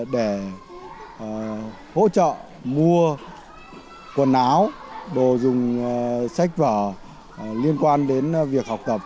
để hỗ trợ mua quần áo đồ dùng sách vở liên quan đến việc học tập